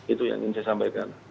itu yang ingin saya sampaikan